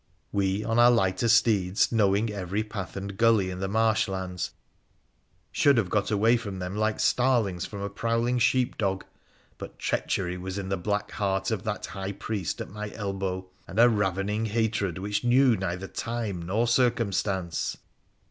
We, on our lighter steeds, knowing every path and gully in the marsh lands, should have got away from them like starlings from a prowling sheepdog ; but treachery was in the black heart of that high priest at my elbow, and a ravening hatred which knew neither time nor circumstance.